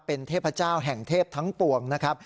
เป็นเทพเจ้าแห่งเทพทั้งปวงนะครับ